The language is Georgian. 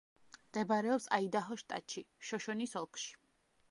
მდებარეობს აიდაჰოს შტატში, შოშონის ოლქში.